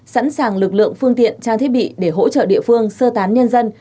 sẵn sàng lực lượng phương tiện trang thiết bị để hỗ trợ địa phương sơ tán nhân dân